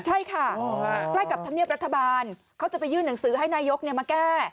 ใช่ค่ะใกล้กับธรรมเนียบรัฐบาลเขาจะไปยื่นหนังสือให้นายกมาแก้